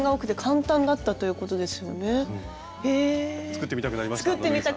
作ってみたくなりました？